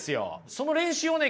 その練習をね